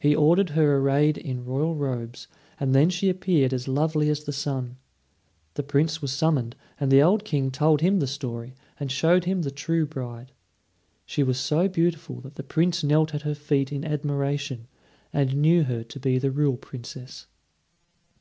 He ordered her arrayed in royal robes; and then she appeared as lovely as the sun. The Prince was summoned; and the old King told him the story, and showed him the true bride. She was so beautiful that the Prince knelt at her feet in admiration, and knew her to be the real Princess.